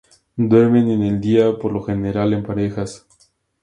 Duermen en el día, por lo general en parejas.